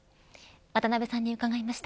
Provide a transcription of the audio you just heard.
渡辺さんに伺いました。